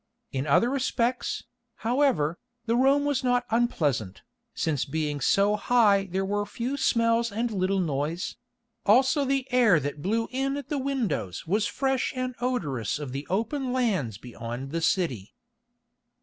In other respects, however, the room was not unpleasant, since being so high there were few smells and little noise; also the air that blew in at the windows was fresh and odorous of the open lands beyond the city.